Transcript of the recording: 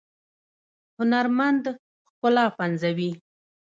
هنرمند ښکلا پنځوي